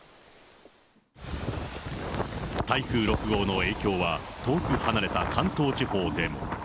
台風６号の影響は、遠く離れた関東地方でも。